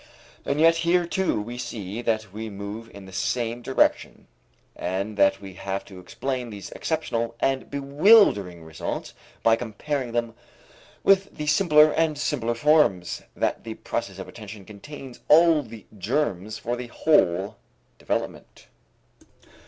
And yet here too we see that we move in the same direction and that we have to explain these exceptional and bewildering results by comparing them with the simpler and simpler forms, that the process of attention contains all the germs for the whole development.